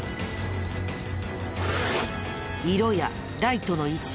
色やライトの位置